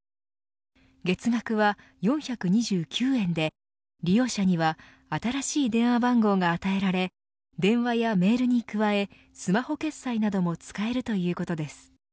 月額は４２９円で利用者には新しい電話番号が与えられ電話やメールに加えスマホ決済なども使えるということです。